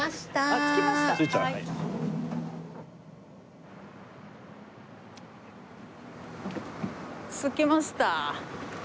着きました。